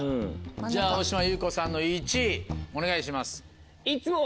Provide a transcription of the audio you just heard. じゃあ大島優子さんの１位お願いします。